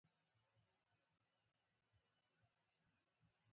بالاخره د پاچا سلوکو مشر لمسی شېکو سلوکو وټاکل شو.